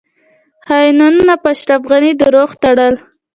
خاینانو په اشرف غنی درواغ تړل